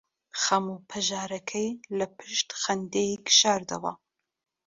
خەم و پەژارەکەی لەپشت خەندەیەک شاردەوە.